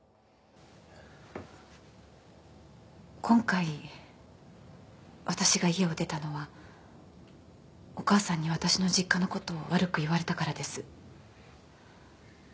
今回わたしが家を出たのはお母さんにわたしの実家のことを悪く言われたからです。